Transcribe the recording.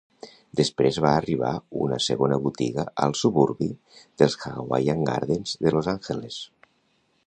Després va arribar una segona botiga al suburbi dels Hawaiian Gardens de Los Angeles.